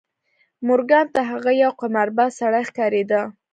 مورګان ته هغه یو قمارباز سړی ښکارېده